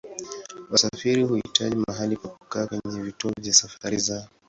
Wasafiri huhitaji mahali pa kukaa kwenye vituo vya safari zao.